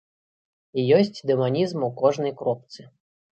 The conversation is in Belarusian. І ёсць дэманізм у кожнай кропцы.